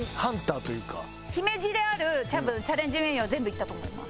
姫路であるチャレンジメニューは全部行ったと思います。